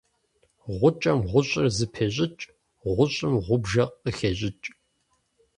Гъукӏэм гъущӏыр зэпещӏыкӏ, гъущӏым гъубжэ къыхещӏыкӏ.